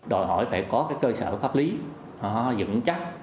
đòi hỏi phải có cơ sở pháp lý dựng chắc